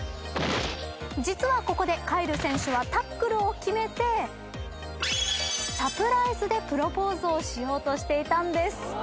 実はここでカイル選手はタックルを決めてサプライズでプロポーズをしようとしていたんです。